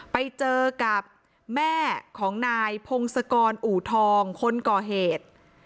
ไปเจอกับแม่ของนายพงศกรอูทองคนก่อเหตุ